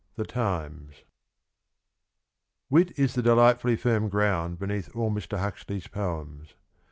— The Times. 101 Wit is the delightfully firm ground beneath all Mr. Huxley's poems.